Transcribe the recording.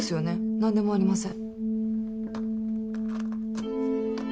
なんでもありません。